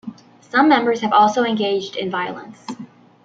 Some members have also engaged in violence.